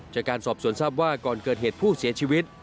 จากการสอบสวนทราบว่าก่อนเกิดเหตุผู้เสียชีวิต